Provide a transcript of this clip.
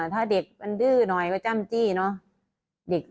ถ้าเด็กมันดื้อหน่อยก็จ้ำจี้เนอะ